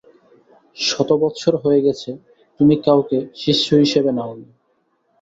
শত বৎসর হয়ে গেছে তুমি কাউকে শিষ্য হিসেবে নাওনি।